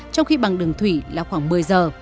trong khi bằng đường thủy là khoảng một mươi giờ